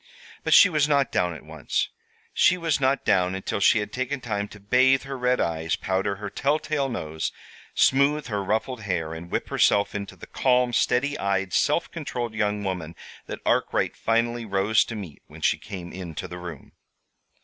But she was not down at once. She was not down until she had taken time to bathe her red eyes, powder her telltale nose, smoothe her ruffled hair, and whip herself into the calm, steady eyed, self controlled young woman that Arkwright finally rose to meet when she came into the room.